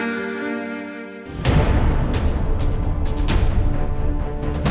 nih ga ada apa apa